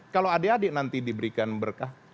kalau adik adik nanti diberikan berkah